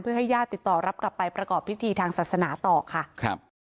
เพื่อให้ญาติติดต่อรับกลับไปประกอบพิธีทางศาสนาต่อค่ะครับ